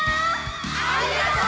ありがとう！